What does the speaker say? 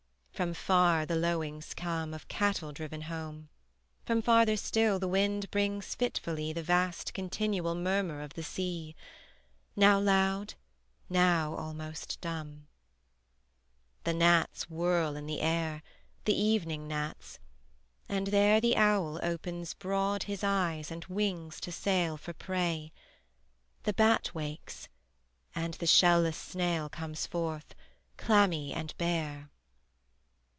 From far the lowings come Of cattle driven home: From farther still the wind brings fitfully The vast continual murmur of the sea, Now loud, now almost dumb. The gnats whirl in the air, The evening gnats; and there The owl opes broad his eyes and wings to sail For prey; the bat wakes; and the shell less snail Comes forth, clammy and bare.